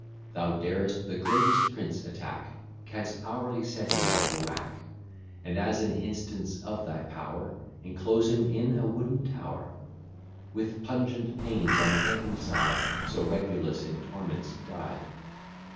Thou darest the greatest prince attack, Canst hourly set him on the rack; And, as an instance of thy power, Enclose him in a wooden tower, With pungent pains on every side: So Regulus in torments died.